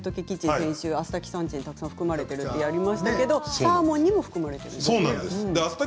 先週アスタキサンチン、たくさん含まれているとやりましたがサーモンにも含まれているんですね。